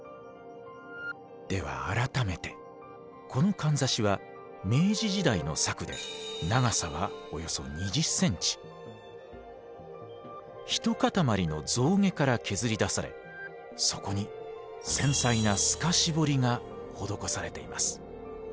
では改めてこのかんざしは明治時代の作で長さはおよそ一塊の象牙から削り出されそこに繊細な透かし彫りが施されています。